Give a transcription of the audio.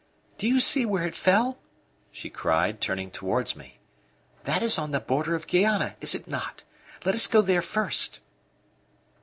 "Do you see where it fell?" she cried, turning towards me. "That is on the border of Guayana is it not? Let us go there first."